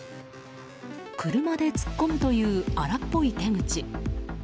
車で突っ込むという荒っぽい手口。